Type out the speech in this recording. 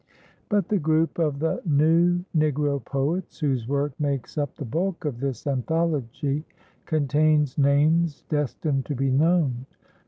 But the group of the new Negro poets, whose work makes up the bulk of this anthology, contains names destined to be known.